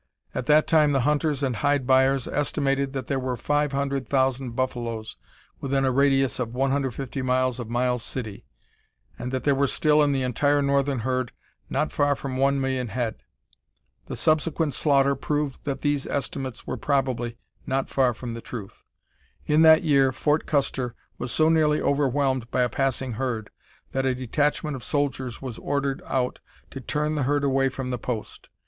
At that time the hunters and hide buyers estimated that there were five hundred thousand buffaloes within a radius of 150 miles of Miles City, and that there were still in the entire northern herd not far from one million head. The subsequent slaughter proved that these estimates were probably not far from the truth. In that year Fort Custer was so nearly overwhelmed by a passing herd that a detachment of soldiers was ordered out to turn the herd away from the post.